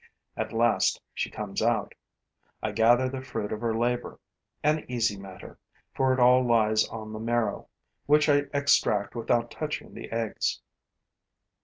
At last, she comes out. I gather the fruit of her labor, an easy matter, for it all lies on the marrow, which I extract without touching the eggs.